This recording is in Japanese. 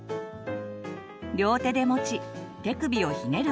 両手で持ち手首をひねる